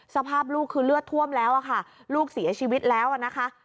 สภาพลูกคือเลือดท่วมแล้วอะค่ะลูกเสียชีวิตแล้วนะคะ